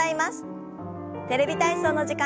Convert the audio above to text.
「テレビ体操」の時間です。